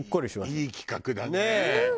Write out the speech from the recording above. いい企画だねこれ。